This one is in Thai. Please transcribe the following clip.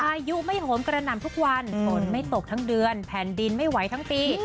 อายุไม่โหมกระหน่ำทุกวันฝนไม่ตกทั้งเดือนแผ่นดินไม่ไหวทั้งปี